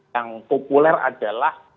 yang populer adalah